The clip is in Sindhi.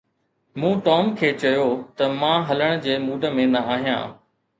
مون ٽام کي چيو ته مان هلڻ جي موڊ ۾ نه آهيان